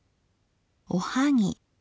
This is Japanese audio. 「おはぎ」